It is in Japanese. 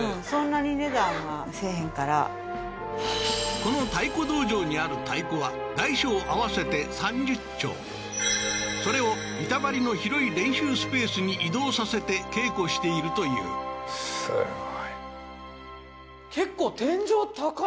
この太鼓道場にある太鼓は大小合わせて３０張それを板張りの広い練習スペースに移動させて稽古しているというすごいああー